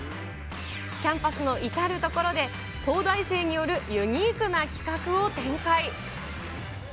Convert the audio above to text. キャンパスの至る所で、東大生によるユニークな企画を展開。